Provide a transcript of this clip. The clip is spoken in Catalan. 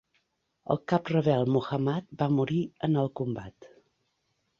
El cap rebel Muhammad va morir en el combat.